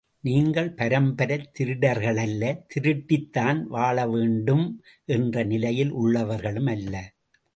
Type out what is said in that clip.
நீங்கள் பரம்பரைத் திருடர்களல்ல, திருடித்தான் வாழவேண்டும் என்ற நிலையில் உள்ளவர்களும் அல்ல.